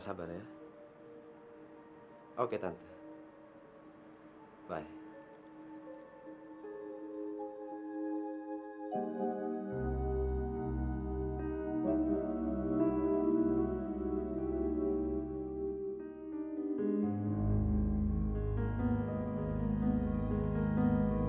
hai sebentar lagi saya sampai